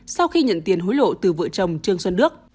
sau khi nhận tiền hối lộ từ vợ chồng trương xuân đức